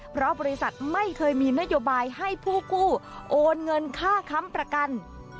เพราะบริษัทไม่เคยมีนโยบายให้ผู้กู้โอนเงินค่าค้ำประกัน